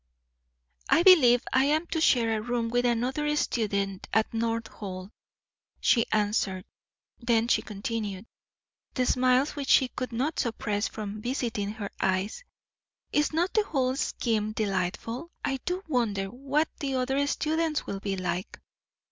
"I believe I am to share a room with another student at North Hall," she answered. Then she continued, the smiles which she could not suppress now visiting her eyes, "Is not the whole scheme delightful? I do wonder what the other students will be like."